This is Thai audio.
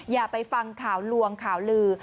อย่าไปฟังข่าวลวงข่าวลือ